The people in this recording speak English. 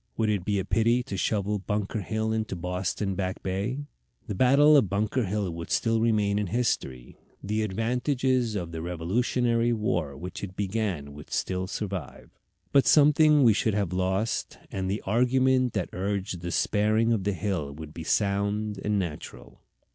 Would it be a pity to shovel Bunker Hill into Boston Back Bay? The battle of Bunker Hill would still remain in history, the advantages of the Revolutionary War which it began would still survive; but something we should have lost, and the argument that urged the sparing of the hill would be sound and natural.